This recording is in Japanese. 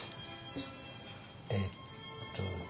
えっと。